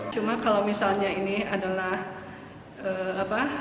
cuma kalau misalnya ini adalah apa